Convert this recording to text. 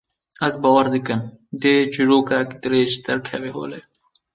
Ez bawer dikim, dê çîrokek dirêj derkeve holê